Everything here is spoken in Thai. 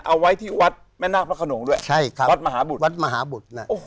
เอาไว้ที่วัดแม่นาคพระขนงด้วยวัดมหาบุตรใช่ครับวัดมหาบุตรนะ